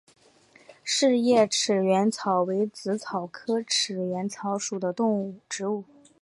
匙叶齿缘草为紫草科齿缘草属的植物。